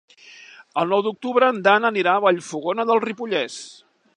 El nou d'octubre en Dan anirà a Vallfogona de Ripollès.